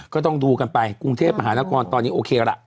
ก็ต้องดูกันไปกรุงเทพมหานครตอนนี้โอเคล่ะ